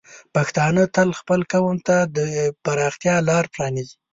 پښتانه تل خپل قوم ته د پراختیا لار پرانیزي.